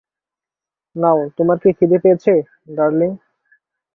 নাও, তোমার কি খিদে পেয়েছে, ডার্লিং?